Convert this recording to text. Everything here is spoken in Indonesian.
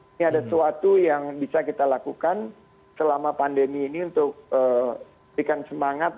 ini ada sesuatu yang bisa kita lakukan selama pandemi ini untuk memberikan semangat